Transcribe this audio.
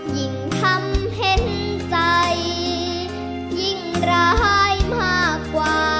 ยิ่งทำเห็นใจยิ่งร้ายมากกว่า